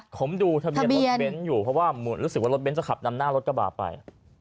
ผมดูทะเบียนรถเบนซ์อยู่เพราะว่ารถเบนซ์จะขับน้ำหน้ารถกระบาดไป